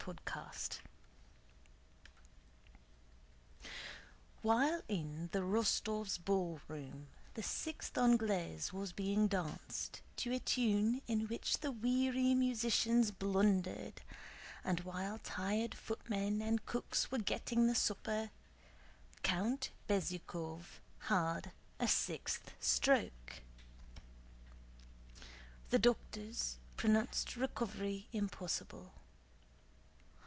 CHAPTER XXI While in the Rostóvs' ballroom the sixth anglaise was being danced, to a tune in which the weary musicians blundered, and while tired footmen and cooks were getting the supper, Count Bezúkhov had a sixth stroke. The doctors pronounced recovery impossible.